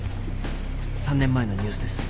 ３年前のニュースです。